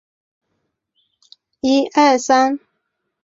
林肯镇区为美国堪萨斯州马歇尔县辖下的镇区。